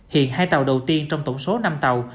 hiện hai tàu đầu tiên trong tổng số năm tàu